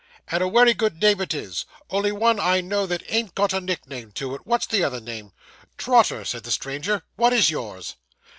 'And a wery good name it is; only one I know that ain't got a nickname to it. What's the other name?' 'Trotter,' said the stranger. 'What is yours?